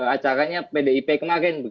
acaranya pdip kemarin